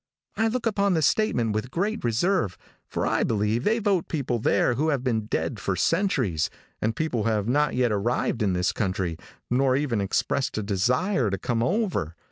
I look upon the statement with great reserve, for I believe they vote people there who have been dead for centuries, and people who have not yet arrived in this country, nor even expressed a desire to come over.